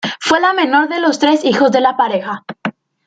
Fue la menor de los tres hijos de la pareja.